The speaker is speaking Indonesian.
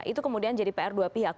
itu kemudian jadi pr dua pihak